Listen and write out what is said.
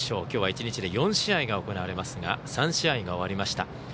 きょうは１日で４試合が行われますが３試合が終わりました。